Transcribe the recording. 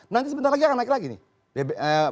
nanti sebentar lagi akan naik lagi nih